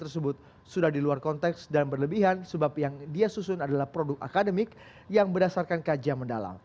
tersebut sudah di luar konteks dan berlebihan sebab yang dia susun adalah produk akademik yang berdasarkan kajian mendalam